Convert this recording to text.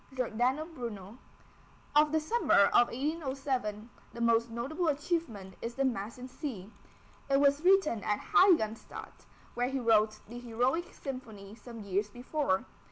GIORDANO BRUNO. Of the summer of 1807, the most notable achievement is the Mass in C. It was written at Heiligenstadt, where he wrote the Heroic Symphony some years before.